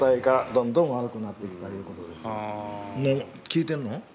聞いてんの？